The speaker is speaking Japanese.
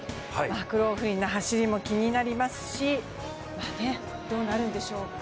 マクローフリンの走りも気になりますし、どうなるんでしょうか。